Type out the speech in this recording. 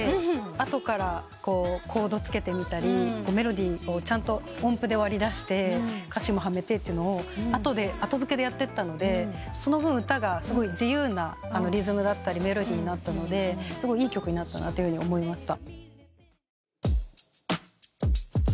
後からコードつけてみたりメロディーをちゃんと音符で割り出して歌詞もはめてというのを後付けでやってったのでその分歌がすごい自由なリズムやメロディーになったのですごいいい曲になったなと思いました。